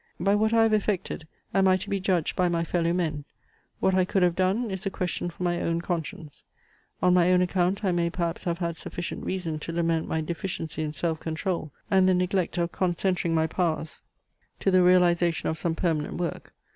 By what I have effected, am I to be judged by my fellow men; what I could have done, is a question for my own conscience. On my own account I may perhaps have had sufficient reason to lament my deficiency in self control, and the neglect of concentering my powers to the realization of some permanent work.